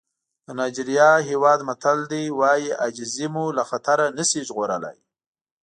د نایجېریا هېواد متل وایي عاجزي له خطر نه شي ژغورلی.